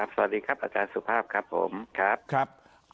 สวัสดีครับอาจารย์สุภาพครับผมครับ